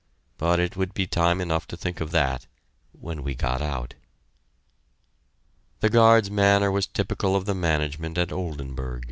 But it would be time enough to think of that when we got out. The guard's manner was typical of the management at Oldenburg.